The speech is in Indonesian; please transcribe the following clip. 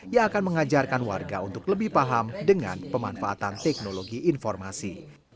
yang akan mengajarkan warga untuk lebih paham dengan pemanfaatan teknologi informasi